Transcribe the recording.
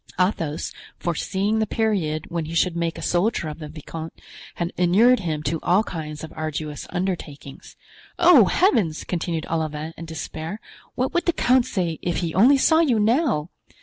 Athos, foreseeing the period when he should make a soldier of the viscount, had inured him to all kinds of arduous undertakings. "Oh, heavens!" continued Olivain, in despair, "what would the count say if he only saw you now!"